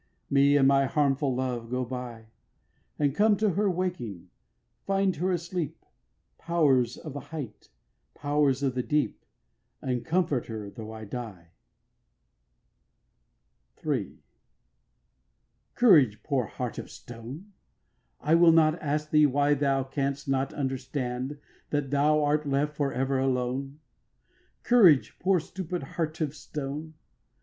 Me and my harmful love, go by; But come to her waking, find her asleep, Powers of the height. Powers of the deep, And comfort her tho' I die. III. Courage, poor heart of stone! I will not ask thee why Thou canst not understand That thou art left for ever alone: Courage, poor stupid heart of stone.